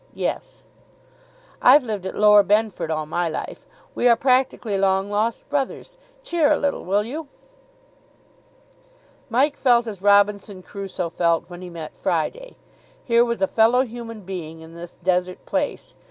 "Yes." "I've lived at Lower Benford all my life. We are practically long lost brothers. Cheer a little, will you?" Mike felt as Robinson Crusoe felt when he met Friday. Here was a fellow human being in this desert place.